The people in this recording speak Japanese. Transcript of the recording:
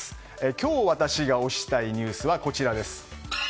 今日私が推したいニュースはこちらです。